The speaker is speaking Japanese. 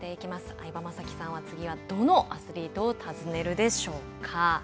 相葉雅紀さんは次はどのアスリートを訪ねるでしょうか。